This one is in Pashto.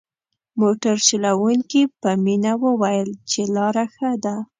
موټر چلوونکي په مينه وويل چې لاره ښه ده.